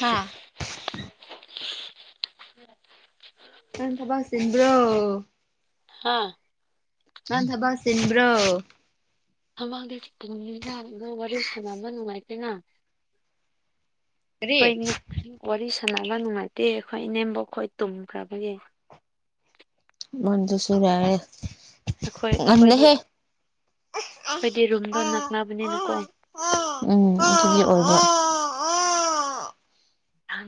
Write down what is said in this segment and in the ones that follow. ꯍꯥ [inaudible] ꯅꯪ ꯊꯕ ꯆꯤꯟꯕ꯭ꯔꯣ ꯑꯥ ꯅꯗꯕꯁꯤꯦꯟꯕ꯭ꯔꯣ ꯃꯃꯥꯡꯗ ꯄꯨꯨꯡꯅꯤꯅ ꯋꯥꯔꯤ ꯁꯥꯟꯅꯕ ꯅꯨꯡꯉꯥꯏꯇꯦꯅ ꯀ ꯀꯔꯤ ꯋꯥꯔꯤ ꯁꯥꯟꯅꯕ ꯅꯨꯡꯉꯥꯏꯇꯦ ꯑꯩꯈꯣꯏ ꯏꯅꯦꯝꯕꯣꯛ ꯑꯩꯣꯏ ꯇꯨꯝꯈ꯭ꯔꯕꯒꯤ ꯃꯗꯨ ꯁ ꯌꯥꯑꯦ ꯑꯩꯈꯣꯏ ꯉꯗ ꯑꯩꯈꯣꯏꯗꯤ ꯍꯦ ꯑꯩꯈꯣꯏꯗꯤ ꯔꯨꯝꯗꯣ ꯑꯥ ꯅꯛꯅꯕꯅꯤꯅꯀꯣ ꯑ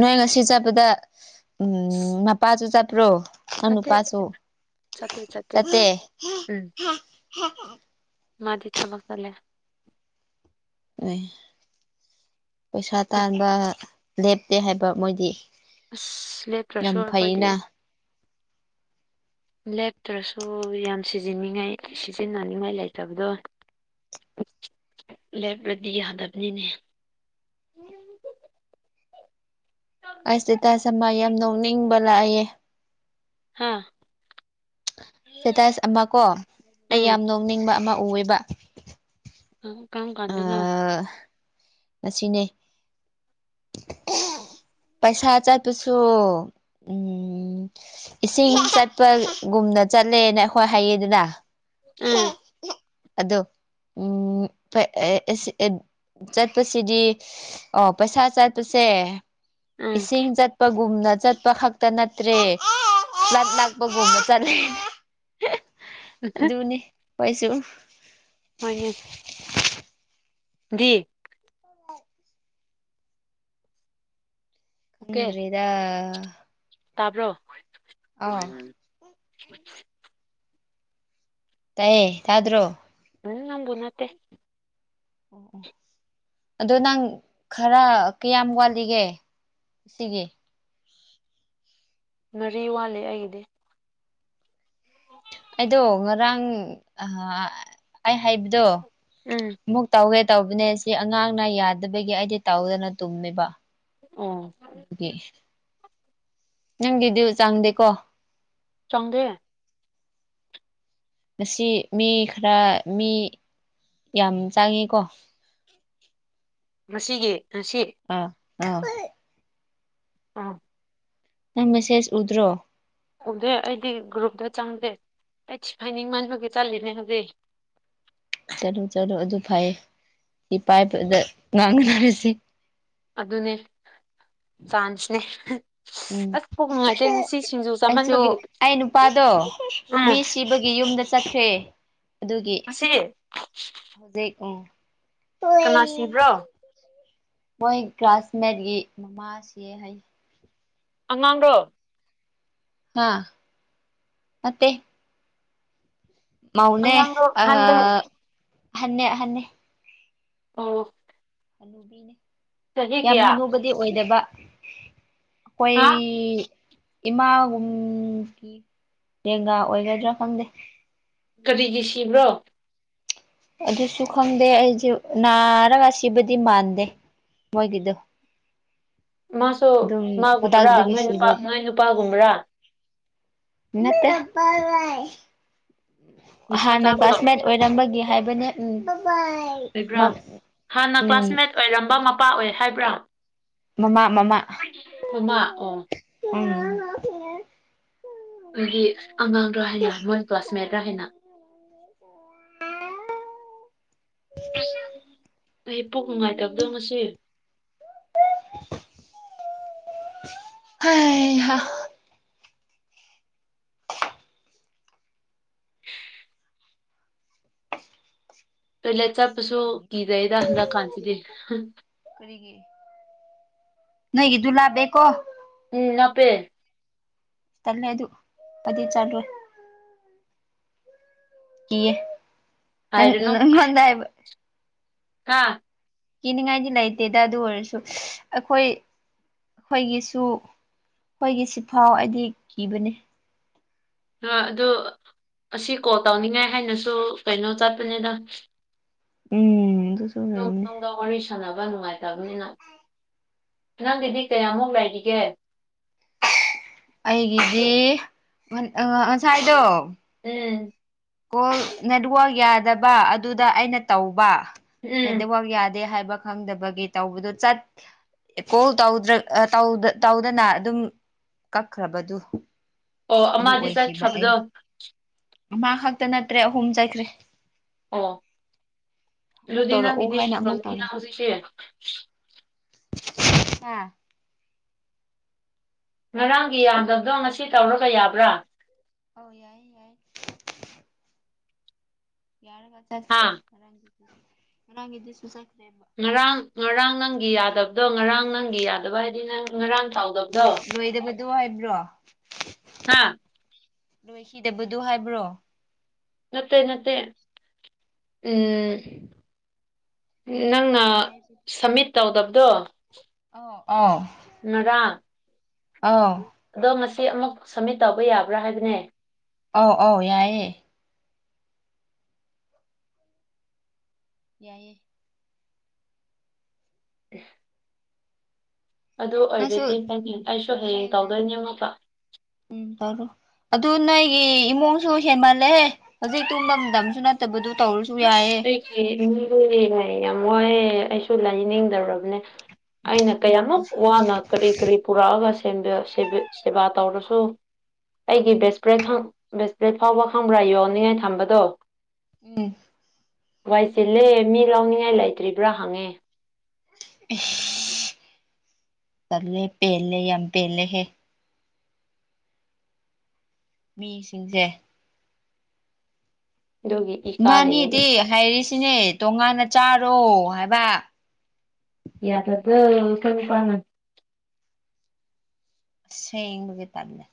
ꯅꯣꯏ ꯉꯁꯤ ꯆꯠꯄꯗ ꯑꯁ ꯎꯝ ꯃꯄꯥꯁꯨ ꯆꯠꯄ꯭ꯔꯣ ꯆꯠꯇꯦ ꯑꯅꯨꯄꯥꯁꯨ ꯆꯠꯇꯦ ꯆꯠꯇꯦ ꯆꯠꯇ [inaudible] ꯎꯝ ꯃꯥꯗꯤ ꯊꯥꯕꯛ ꯇꯠꯂꯦ ꯑꯩ ꯄꯩꯁꯥ ꯎꯝ ꯇꯥꯟꯕ ꯂꯦꯞꯇꯦ ꯍꯥꯏꯕ ꯃꯣꯏꯗꯤ ꯑꯁ ꯂꯦꯞꯇ꯭ꯔꯁꯨ ꯌꯥꯝ ꯑꯩꯈꯣꯏꯗꯤ ꯐꯩꯅ ꯂꯦꯞꯇ꯭ꯔꯁꯨ ꯌꯥꯝ ꯁꯤꯖꯤꯟꯅꯅꯤꯡꯉꯥꯏ ꯁꯤꯖꯤꯟꯅꯅꯤꯡꯉꯥꯏ ꯂꯩꯇꯕꯗꯣ ꯂꯦꯞꯂꯗꯤ ꯌꯥꯗꯕꯅꯤꯅꯦ ꯑꯁ ꯇꯁꯃ ꯌꯥꯝ ꯅꯣꯛꯅꯤꯡꯕ ꯂꯥꯛꯑꯌꯦꯦ ꯍꯥ ꯁꯇꯦꯇꯁ ꯑꯃ ꯀꯣ ꯑꯩ ꯌꯥꯝ ꯅꯣꯡꯅꯤꯡꯕ ꯑꯃ ꯑꯣꯏꯕ ꯑ ꯀꯝ ꯀꯥꯟꯗꯅꯣ ꯃꯁꯤꯅꯦ ꯄꯩꯁꯥ ꯆꯠꯄꯁꯨ ꯎꯝ ꯏꯁꯤꯡ ꯆꯠꯄꯒꯨꯝꯅ ꯆꯠꯂꯦꯅ ꯑꯩꯈꯣꯏ ꯍꯥꯏꯌꯦꯗꯅ ꯑ ꯎꯝ ꯑꯗꯣ ꯆꯠꯄꯁꯤꯗꯤ ꯑꯣ ꯄꯩꯁꯥ ꯆ ꯆꯁꯦ ꯎꯝ ꯏꯁꯤꯡ ꯆꯠꯄꯒꯨꯝꯅ ꯆꯠꯄ ꯈꯛꯇ ꯅꯠꯇ꯭ꯔꯦ ꯆꯠ ꯂꯥꯛꯄꯒꯨꯝꯕ ꯆꯠꯂꯦ ꯧꯅꯦ ꯄꯥꯏꯁꯨ ꯍꯣꯏꯅꯦ [unintelligible] ꯗꯤ ꯑꯣꯀꯦ ꯈꯟ꯭ꯔꯔꯤꯗ ꯑ ꯇꯥꯕ꯭ꯔꯣ ꯍ [unintelligible] ꯇꯌꯦ ꯌꯥ꯭ꯔꯣ ꯎꯝ ꯅꯝꯕꯕꯨꯅꯠꯇꯦ ꯑꯣ ꯑꯣ ꯑꯗꯣ ꯅꯪ ꯈꯔ ꯀꯌꯥꯝ ꯋꯥꯠꯂꯤꯒꯦ ꯁꯤꯒꯤ ꯃꯔꯤ ꯋꯥꯠꯂꯤ ꯑꯩꯒꯤꯗꯤ ꯑꯩꯗꯣ ꯉꯔꯥꯡ ꯑ ꯑꯩ ꯍꯥꯏꯕꯗꯣ ꯎꯝ ꯑꯃꯨꯛ ꯇꯧꯋꯦ ꯇꯧꯕꯅꯦ ꯁꯤ ꯑꯉꯥꯡꯅ ꯌꯥꯗꯕꯒꯤ ꯑꯩꯗꯤ ꯇꯧꯗꯅ ꯇꯨꯝꯃꯦꯕ ꯑꯣ ꯑꯗꯨꯗꯒꯤꯦ ꯅꯪꯒꯤꯗꯤ ꯆꯥꯡꯗꯦꯀꯣ ꯆꯪꯗ ꯉ ꯃꯤ ꯈꯔ ꯃꯤ ꯌꯥꯝ ꯆꯥꯡꯉꯤꯀꯣ ꯃꯁꯤꯒꯤ ꯉꯁꯤ ꯑ ꯑꯥ ꯅ ꯃꯦꯁꯦꯖ ꯎꯠꯇ꯭ꯔꯣ ꯎꯗꯦ ꯑꯩꯗꯤ ꯒ꯭ꯔꯨꯞꯇ ꯆꯪꯗꯦ ꯑꯩ ꯁꯐꯥꯏꯅꯤꯡ ꯃꯟꯕꯒꯤ ꯆꯠꯂꯤꯅꯦ ꯍꯧꯖꯤꯛ ꯆꯠꯂꯨ ꯆꯠꯂꯨ ꯑꯗꯨ ꯐꯩꯌꯦ ꯁꯤ ꯄꯥꯏꯕꯗ ꯉꯥꯡꯒꯗꯧꯔꯤꯁꯤꯦ ꯑꯗꯨꯅꯦ ꯆꯥꯟꯁꯅꯦ ꯎꯝ ꯑꯁ ꯄꯨꯛ ꯅꯨꯡꯉꯥꯏꯇꯦ ꯉꯁꯤ ꯁꯤꯡꯖꯨ ꯑꯩꯁꯨ ꯆꯥꯃꯟꯕꯒꯤ ꯑꯩ ꯅꯨꯄꯥꯗꯣ ꯃꯤ ꯎꯝ ꯁꯤꯕꯒꯤ ꯌꯨꯝꯗ ꯆꯠꯈ꯭ꯔꯦ ꯑꯗꯨꯒꯤ ꯉꯁꯤ ꯍꯧꯖꯤꯛ ꯎꯝ ꯀꯅꯥ ꯁꯤꯕ꯭ꯔꯣ ꯃꯣꯏ ꯀ꯭ꯂꯥꯁꯃꯦꯠꯀꯤ ꯃꯃꯥꯁꯤ ꯍꯥꯏ ꯑꯉꯥꯡꯗꯣ ꯍꯥꯥ ꯃꯦ ꯃꯅꯦ ꯑꯉꯥꯡꯔꯣ ꯑ ꯑꯍꯟꯔꯣ ꯍꯟꯅ ꯍꯥꯏꯅꯤ ꯑ ꯍꯜꯂꯨꯕꯤꯅꯦ ꯌꯥꯝ ꯍꯅꯨꯕꯗꯤ ꯑꯣꯏꯗꯕ ꯍꯥ ꯑꯩꯣꯏ ꯏꯃꯥꯒꯨꯝꯒꯤ ꯂꯦꯡꯒꯥ ꯑꯣꯏꯒꯗ꯭ꯔꯥ ꯈꯪꯗꯦ ꯀꯔꯤꯒꯤ ꯁꯤꯕ꯭ꯔꯣ ꯑꯗꯨꯁꯨ ꯈꯪꯗꯦ ꯑꯩꯁꯨꯦ ꯅꯥꯔꯒ ꯁꯤꯕꯨꯗꯤ ꯃꯥꯟꯗꯦ ꯃꯣꯏꯒꯤꯗꯣ ꯃꯥꯁꯨ ꯑꯗꯨꯝ ꯃꯥꯒꯨꯝꯕ꯭ꯔꯥ ꯈꯨꯗꯥꯛꯇꯒꯤ ꯅꯣꯏ ꯅꯨꯄꯥ ꯅꯣꯏ ꯅꯨꯄꯥꯒꯨꯝꯕ꯭ꯔꯥ ꯅꯠꯇ ꯅꯤꯁꯥ ꯍꯥꯟꯅ ꯆꯥꯕꯗꯣ ꯀ꯭ꯂꯥꯁꯃꯦꯠ ꯑꯣꯏꯔꯝꯕꯒꯤꯦ ꯍꯥꯏꯕꯅꯦ ꯎꯝ ꯑꯣꯏꯕ꯭ꯔꯥ ꯎꯝ ꯄꯥꯛꯑꯣ ꯑꯣꯏ ꯍꯥꯏꯕ꯭ꯔꯥ ꯃꯃꯥ ꯃꯃꯥ ꯃꯃꯥ ꯑꯣ ꯎꯝ ꯑ ꯍ ꯑꯒꯤ ꯑꯉꯥꯡ ꯔ ꯍꯥꯏꯅ ꯃꯣꯏꯟ ꯀ꯭ꯂꯥꯁꯃꯦꯠ ꯔ ꯍꯥꯏꯅ ꯑꯩ ꯄꯣꯛ ꯅꯨꯡꯉꯥꯏꯇꯕꯗꯣ ꯉꯁꯤ ꯍ [inaudible] ꯄꯂ ꯆꯞꯄꯁꯨ ꯁꯤꯒꯤ ꯀꯗꯩꯗ ꯍ ꯀꯟꯆꯗꯤ ꯍꯝ ꯅꯣꯏꯒꯤꯗꯨꯂ ꯣ ꯎꯝ ꯅ ꯄꯦ ꯇꯜꯦ ꯑꯗꯨ ꯄꯗꯤ ꯆꯜ꯭ꯔꯦ ꯀꯌꯦ ꯅꯪ ꯅꯪ ꯍꯥꯏꯕ ꯀꯥ ꯀꯤꯅꯤꯡꯉꯥꯏꯗꯤ ꯂꯩꯇꯦꯗ ꯑꯗꯨ ꯑꯣꯏꯔꯁꯨ ꯑꯈꯣꯏ ꯑꯈꯣꯏꯒꯤꯁꯨ ꯑꯈꯣꯏꯒꯤꯁꯤꯐꯥꯎ ꯑꯩꯗꯤ ꯀꯤꯕꯅꯦ ꯗꯣ ꯑꯗꯨ ꯑꯁꯤ ꯀꯣꯜ ꯇꯧꯅꯤꯡꯉꯥꯏ ꯍꯥꯏꯅꯁꯨ ꯀꯩꯅꯣ ꯆꯠꯄꯅꯤꯗ ꯎꯝ ꯑꯗꯨꯁꯨ ꯖꯣꯛ ꯑꯣꯏꯔꯝꯅꯤ ꯇꯧꯕ ꯋꯥꯔꯤ ꯁꯥꯟꯅꯕ ꯅꯨꯡꯉꯥꯏꯇꯕꯅꯤꯅ ꯅꯪꯒꯤꯗꯤ ꯀꯌꯥꯃꯨꯛ ꯂꯩꯔꯤꯒꯦ ꯑꯩꯒꯤꯗꯤ ꯉ ꯉꯁꯥꯏꯗꯣ ꯎꯝ ꯀꯣꯜ ꯅꯦꯠꯋ꯭ꯔꯛ ꯌꯥꯗꯕ ꯑꯗꯨꯗ ꯑꯩꯅ ꯇꯧꯕ ꯎꯝ ꯅꯦꯗꯋꯛ ꯌꯥ ꯗꯤ ꯍꯥꯏꯕ ꯈꯪꯗꯕꯒꯤ ꯇꯧꯕꯗꯨ ꯆꯠ ꯀꯣꯜ ꯇꯧꯗ꯭ꯔ ꯑ ꯇꯧꯗ ꯇꯧꯗꯅ ꯑꯗꯨꯝ ꯀꯛꯈ꯭ꯔꯕꯗꯨ ꯑꯣ ꯑꯗꯨ ꯑꯃꯗꯤ ꯆꯠꯈ꯭ꯔꯕꯗꯣ ꯃꯥ ꯍꯛ ꯇ ꯅꯠꯇ꯭ꯔꯦ ꯑꯍꯨꯝ ꯆꯠꯈ꯭ꯔꯦ ꯑꯣ ꯑꯃꯨꯛ ꯗꯨꯗꯤ ꯇꯧꯔꯛꯎ ꯅꯪꯒꯤꯗꯤ ꯍꯥꯏꯅ ꯑꯃꯨꯛ ꯇꯧꯗ꯭ꯔꯤꯅ ꯇꯧꯔꯛ ꯍꯧꯖꯤꯛꯁꯦ ꯑꯥ ꯉꯔꯥꯡꯒꯤ ꯌꯥꯝꯗꯞꯗꯣ ꯉꯁꯤ ꯇꯧꯔꯒ ꯌꯥꯕ꯭ꯔꯥ ꯑꯧ ꯌꯥꯏ ꯌꯥꯏ ꯌꯥꯔꯒ ꯍꯥ ꯆꯠꯁꯦ ꯉꯔꯥꯡꯒꯤ ꯉꯔꯥꯡꯒꯤꯗꯨꯁꯨ ꯆꯠ ꯉꯔꯥꯡ ꯉꯔꯥꯡ ꯅꯪꯒꯤ ꯌꯥꯗꯞꯗꯣ ꯉꯔꯥꯡ ꯅꯪꯒꯤ ꯌꯥꯗꯕ ꯍꯥꯏꯗꯤ ꯅꯪ ꯉꯔꯥꯡ ꯇꯧꯗꯕꯗꯣ ꯅꯣꯢꯗꯕꯠ ꯗꯨ ꯍꯥꯏꯕ꯭ꯔꯣ ꯍꯥꯥ ꯂꯣꯏꯈꯤꯗꯕꯗꯨ ꯍꯥꯏꯕ꯭ꯔꯣ ꯅꯠꯇꯦ ꯅꯠꯇꯦ ꯎꯝ ꯅꯪꯅ ꯑꯧ ꯁꯃꯤꯠ ꯇꯧꯗꯕ ꯗꯣ ꯑꯣ ꯑꯥꯎ ꯉꯔꯥꯡ ꯑꯗꯣ ꯉꯁꯤ ꯁꯤ ꯑꯃꯨꯛ ꯁꯝꯃꯤꯠ ꯇꯧꯕ ꯌꯥꯕ꯭ꯔꯥ ꯍꯥꯏꯕꯅꯦ ꯑꯥꯎ ꯑꯧ ꯌꯥꯏꯌꯦ ꯌꯥꯏꯌꯦ [inaudible] ꯑꯗꯨ ꯅꯪꯁꯨ ꯑꯣꯏꯔꯗꯤ ꯅꯪꯒꯤ ꯑꯩꯁꯨ ꯍꯌꯦꯡ ꯍꯌꯦꯡꯅ ꯇꯧꯗꯣꯢꯅꯦ ꯑꯃꯨꯛꯀ ꯎꯝ ꯇꯧꯔꯣ ꯑꯗꯨ ꯅꯣꯏꯒꯤ ꯏꯃꯨꯡꯁꯨ ꯍꯦꯟꯃꯜꯂꯦꯍꯦ ꯍꯧꯖꯤꯛ ꯇꯨꯝꯕ ꯃꯇꯝꯁꯨ ꯅꯠꯇꯕꯗꯨ ꯇꯧꯔꯁꯨ ꯌꯥꯏꯌꯦ ꯑ ꯌꯥꯝ ꯋꯥꯏꯑꯦ ꯑꯩꯁꯨ ꯂꯥꯏꯅꯤꯡꯗꯧꯔꯕꯅꯦ ꯑꯩꯅ ꯀꯌꯥꯃꯨꯛ ꯋꯥꯅ ꯀꯔꯤ ꯀꯔꯤ ꯄꯨꯔꯛꯑꯒ ꯁꯦꯕꯥ ꯇꯧꯔꯁꯨ ꯑꯩꯒꯤ ꯕꯦꯁꯄ꯭ꯔꯦꯠ ꯕꯦꯁꯄ꯭ꯔꯦꯠ ꯐꯥꯎꯕ ꯈꯪꯕ꯭ꯔꯥ ꯌꯣꯟꯅꯤꯡꯉꯥꯏ ꯊꯝꯕꯗꯣ ꯎꯝ ꯋꯥꯏ ꯆꯜꯂꯦ ꯃꯤ ꯂꯥꯎꯅꯤꯡꯉꯥꯏ ꯂꯩꯇ꯭ꯔꯤꯕ꯭ꯔꯥ ꯍꯪꯉꯦ ꯆꯂꯦ ꯄꯦꯂ ꯌꯥꯝ ꯄꯦꯂ ꯍꯦ ꯃꯤꯁꯤꯡꯁꯦ ꯑꯗꯨꯒꯤ ꯏ ꯀꯥꯔꯤꯅꯦ ꯕꯥꯅꯤꯗꯤ ꯑꯩꯁꯦ ꯍꯥꯏꯔꯤꯁꯤꯅꯦ ꯇꯣꯉꯥꯟꯅ ꯆꯥꯔ ꯔꯣ ꯍꯥꯏꯕ ꯌꯥꯗ ꯑꯗꯨ ꯀꯅꯤꯄꯅ ꯁꯡ ꯀꯦ ꯇꯔꯂꯦ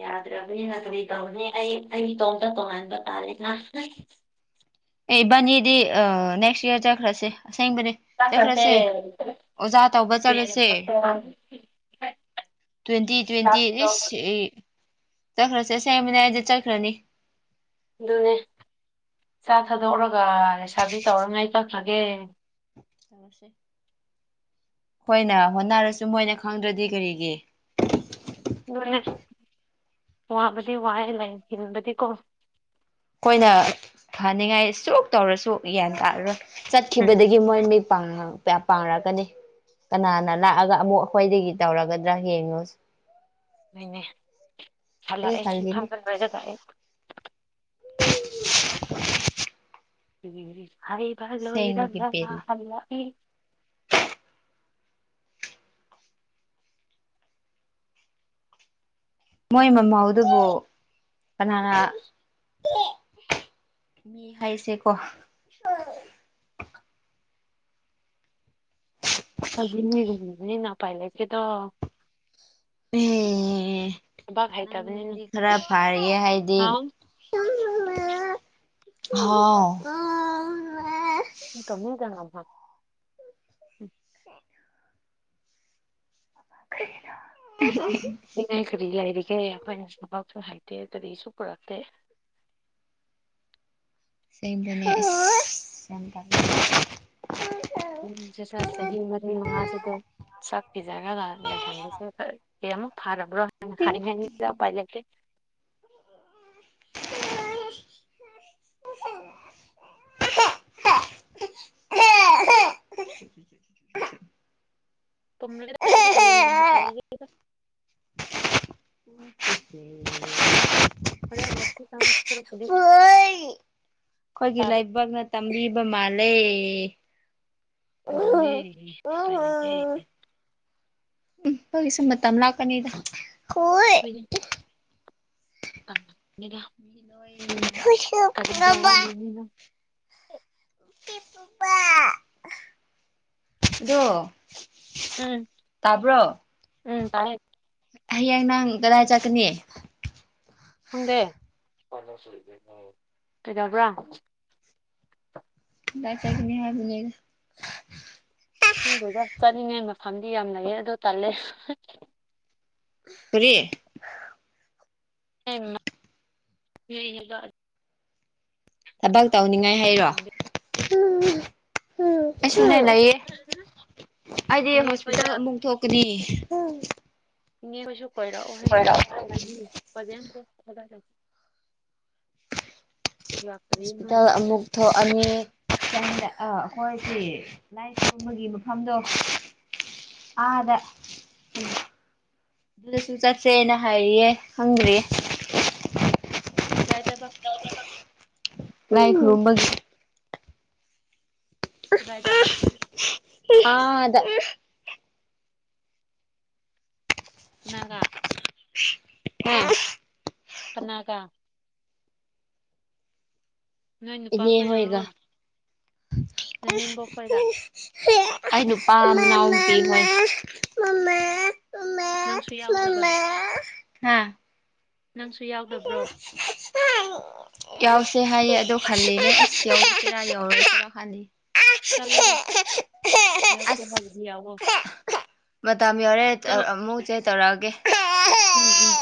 ꯌꯥꯗ꯭ꯔꯕꯅꯤꯅ ꯀꯔꯤ ꯇꯧꯅꯤ ꯑꯩ ꯑꯩ ꯏꯇꯣꯝꯇ ꯇꯣꯡꯉꯥꯟꯕ ꯇꯥꯂꯦ ꯉ ꯏꯕꯥꯅꯤꯗꯤ ꯅꯦꯛꯁ ꯏꯔ ꯆꯠꯈ꯭ꯔꯁꯦ ꯑꯁꯦꯡꯕꯅꯦ ꯆꯥꯛ ꯆꯥꯁꯦ ꯆꯠꯈ꯭ꯔꯁꯦ ꯑꯣꯖꯥ ꯇꯧꯕ ꯆꯠꯂꯁꯦ ꯇ꯭ꯋꯦꯟꯇꯤ ꯇ꯭ꯋꯦꯟꯇꯤ ꯆꯠꯈ꯭ꯔꯁꯦ ꯁꯦꯝꯦꯡꯕꯅꯦ ꯑꯩꯗꯤ ꯆꯠꯈ꯭ꯔꯅꯤ ꯑꯗꯨꯅꯦ ꯆꯥ ꯊꯥꯗꯣꯛꯔꯒ ꯂꯩꯁꯥꯕꯤ ꯇꯧꯔꯉꯥꯏ ꯀꯛꯈ꯭ꯔꯒꯦ ꯍꯣꯏꯅ ꯍꯣꯠꯅꯔꯁꯨ ꯃꯣꯏꯅ ꯈꯪꯗ꯭ꯔꯗꯤ ꯀꯔꯤꯒꯤ ꯋꯥꯕ ꯋꯥꯏ ꯂꯩ ꯀ ꯑꯩꯈꯣꯏꯅ ꯐꯅꯤꯡꯉꯥꯏ ꯁꯣꯛ ꯇꯧꯔꯁꯨ ꯒ꯭ꯌꯥꯟ ꯇꯥꯔꯔꯣꯏ ꯎꯝ ꯆꯠꯈꯤꯕꯗꯒꯤ ꯃꯣꯏ ꯄꯥꯡꯅꯔꯛꯀꯅꯤ ꯀꯅꯥꯅ ꯂꯥꯛꯑꯒ ꯑꯃꯨꯛ ꯑꯩꯈꯣꯏꯗꯒꯤ ꯇꯧꯔꯒꯗ꯭ꯔꯥ ꯌꯦꯡꯉꯨꯁ ꯅꯣꯏꯅꯦ ꯍꯜꯂꯛꯑꯦ ꯁꯤ ꯈꯜꯂꯤꯅꯦ ꯐꯕꯗ ꯂꯥꯛꯑꯦ ꯀ ꯍꯥꯏꯔ ꯁꯦꯡꯕꯒꯤ ꯄꯦꯜꯂꯤ ꯃꯣꯏ ꯃꯃꯧꯗꯨꯕꯨ ꯀꯅꯥꯅ ꯃꯤ ꯍꯥꯏꯁꯦꯀꯣ ꯑꯖꯤ ꯅ ꯄꯥꯏ ꯂꯩꯦ ꯀꯦ ꯇ ꯍ ꯊꯕꯛ ꯍꯩꯇꯕꯅꯤꯅ ꯅꯪꯗꯤ ꯈꯔ ꯐꯥꯔꯌꯦ ꯍꯥꯏꯗꯤꯥꯎ ꯍꯥꯎ ꯎ ꯀꯝꯖꯅꯥꯃ ꯎꯝ ꯀ ꯀꯔꯤ ꯂꯩꯔꯤꯒꯦ ꯑꯩꯈꯣꯏꯅ ꯁꯐꯥꯎꯁꯨ ꯍꯥꯏꯦ ꯠꯇ ꯇꯔꯤꯁꯨꯄꯔꯇꯦ ꯁꯦꯝꯇ ꯁꯤꯗ ꯆꯍꯤ ꯃꯔꯤ ꯃꯉꯥꯁꯤꯗ ꯁꯛ ꯄꯤꯖꯔꯒ ꯂꯩꯍꯟꯕꯁꯦ ꯀꯔꯤꯃꯨꯛ ꯐꯔꯕ꯭ꯔꯣ ꯍꯥꯏꯅ ꯈꯅꯤꯡꯉꯩꯅꯤꯗ ꯎꯄꯥꯏꯖꯒꯦ ꯑꯩꯈꯣꯏꯒꯤ ꯀ ꯎ ꯃ ꯁ꯭ꯔꯗ ꯑꯩꯈꯣꯏꯒꯤ ꯂꯥꯏꯕꯥꯛ ꯅ ꯇꯝꯔꯤꯕ ꯃꯥꯂꯦ ꯑꯗꯨꯅꯦꯄꯥꯏ ꯂꯩ ꯀꯔꯤ ꯎꯝ ꯐꯣꯏ ꯁꯨꯝ ꯃꯇꯝ ꯂꯥꯛꯀꯅꯤꯗ ꯍꯣꯏ ꯑ [unintelligible] ꯀꯔꯤꯗ ꯂꯕꯥ ꯋꯥꯠꯂꯤꯅꯤꯅꯣ ꯑꯥꯗꯣ ꯎꯝ ꯎꯝ ꯇꯥꯏ ꯍꯌꯦꯡ ꯅꯪ ꯀꯗꯥꯏ ꯆꯠꯀꯅꯤ ꯈꯪꯗꯦ ꯀꯩꯗꯧꯕ꯭ꯔꯥ ꯅꯪ ꯆꯠꯀꯅꯤ ꯍꯥꯏꯕꯅꯦ ꯍꯪꯗꯣꯏꯗ ꯆꯠꯂꯤꯉꯩ ꯃꯐꯝꯗꯤ ꯌꯥꯝ ꯂꯩꯌꯦ ꯑꯗꯣ ꯇꯜꯂꯦ ꯀꯔꯤ [unintelligible] ꯊꯥꯕꯛ ꯇꯧꯅꯤꯡꯉꯥꯏ ꯍꯥꯏꯔꯣ ꯎꯝ ꯎ ꯍꯥ ꯑꯩꯁꯨꯅꯦ ꯂꯩꯌꯦ ꯑꯩꯗꯤ ꯏꯅꯦ ꯍꯣꯁꯄꯤꯇꯥꯜ ꯈꯣꯏꯗ ꯑꯃꯨꯛ ꯊꯣꯛꯀꯅꯤ ꯑꯝ ꯏ ꯍꯣꯏꯔꯛꯑꯣ ꯍꯩꯅꯁꯨ ꯇꯧꯅꯤ ꯐꯖꯅ ꯂꯥꯛꯇ꯭ꯔꯤ ꯍꯣꯁꯄꯤꯇꯥꯜ ꯃꯣꯏꯗꯁꯨ ꯑꯃꯨꯛ ꯊꯣꯛ ꯑꯅꯤ ꯑꯩꯈꯣꯏꯁꯤ ꯂꯥꯏ ꯈꯨꯔꯨꯝꯕꯒꯤ ꯃꯐꯝꯗꯣ ꯑꯥꯗ ꯎ ꯑꯗꯨꯗꯁꯨ ꯆꯠꯁꯦꯅ ꯍꯥꯏꯌꯦ ꯈꯪꯗ꯭ꯔꯦ ꯌꯥꯏ ꯇꯦꯕ ꯂꯥꯏꯈꯨꯔꯨꯝꯕꯒꯤ ꯀꯗꯥꯏꯗ ꯑꯥꯗ ꯅꯥꯒꯥ ꯍꯥ ꯀꯅꯥꯒꯥ ꯅꯣꯏ ꯅꯨꯄꯥ ꯈꯣꯏꯔꯨꯔꯣ ꯑ [unintelligible] ꯑꯩ ꯅꯨꯄꯥ ꯃꯅꯥꯎ ꯅꯨꯄꯤ ꯍꯣꯏ ꯅꯪꯁꯨ ꯌꯥꯎꯗꯕ ꯍꯥꯥ ꯅꯪꯁꯨ ꯌꯥꯎꯗꯕ꯭ꯔꯣ ꯌꯥꯎꯁꯦ ꯍꯥꯏꯌꯦ ꯑꯗꯣ ꯈꯜꯂꯤꯅꯦ ꯌꯥꯎꯁꯤꯔ ꯌꯥꯎꯔꯣꯏꯁꯤꯔ ꯈꯜꯂꯤ ꯆꯠꯂꯣꯗ ꯌꯥꯎꯁꯦ ꯍꯥꯏꯕꯗꯤ ꯌꯥꯎꯑꯣ [inaudible] [unintelligible] ꯃꯇꯝ ꯌꯧꯔꯦ ꯇꯣ ꯑꯃꯨꯛ ꯆꯦꯛ ꯇꯧꯔꯛꯑꯒꯦ ꯎꯝ ꯎꯝ